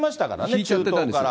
ひいちゃってたんです。